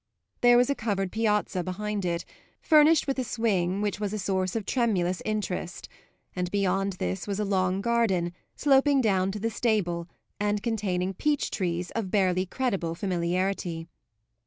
There was a covered piazza behind it, furnished with a swing which was a source of tremulous interest; and beyond this was a long garden, sloping down to the stable and containing peach trees of barely credible familiarity.